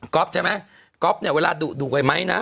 กล๊อฟใช่ไหมกร๊อฟเนี่ยเวลาดุดุดีไปไหมนะ